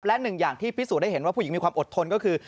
และหนึ่งอย่างที่พิสูจนได้เห็นว่าผู้หญิงมีความอดทนก็คือ